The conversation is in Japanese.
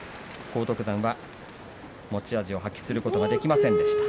荒篤山は持ち味を発揮することができませんでした。